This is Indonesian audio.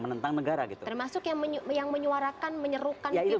menentang negara termasuk yang